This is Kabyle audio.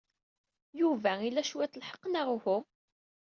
Yuba ila cwiṭ lḥeqq, neɣ uhu?